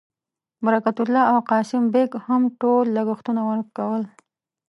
برکت الله او قاسم بېګ هم ټول لګښتونه ورکول.